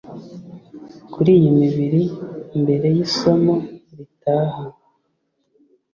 kuri iyi mibiri mbere y'isomo ritaha